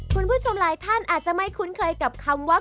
คุณผู้ชมหลายท่านอาจจะไม่คุ้นเคยกับคำว่า